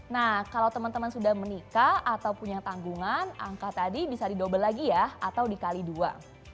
nah kalau teman teman sudah menikah atau punya tanggungan angka tadi bisa di double lagi ya atau dikali dua